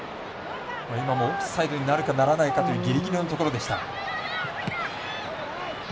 今もオフサイドになるかならないかというぎりぎりのところでした。